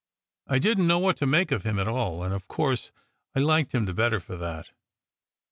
I didn t know what to make of him at all, and, of course, I liked him the better for that.